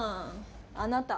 あなた！